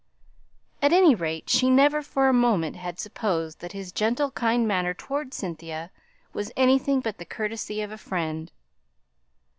At any rate, she never for a moment had supposed that his gentle kind manner towards Cynthia was anything but the courtesy of a friend.